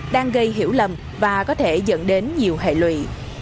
đang gây hiểu lầm và có thể dẫn đến nhiều hệ lụy